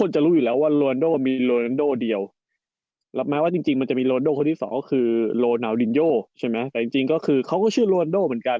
ใช่ไหมแต่จริงก็คือเขาก็ชื่อโรนันโดเหมือนกัน